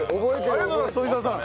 ありがとうございます富澤さん！